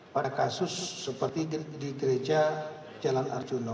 pada kasus seperti di gereja jalan arjuna